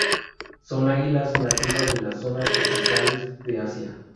Son águilas nativas de las zonas tropicales de Asia.